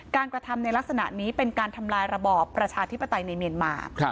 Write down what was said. กระทำในลักษณะนี้เป็นการทำลายระบอบประชาธิปไตยในเมียนมา